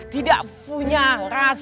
tidak punya rasa